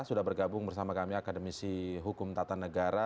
sudah bergabung bersama kami akademisi hukum tata negara